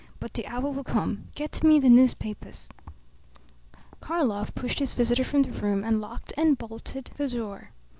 But the hour will come. Get me the newspapers." Karlov pushed his visitor from the room and locked and bolted the door.